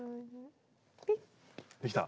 できた？